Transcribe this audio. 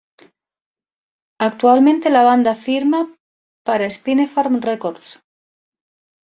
Actualmente la banda firma para Spinefarm Records.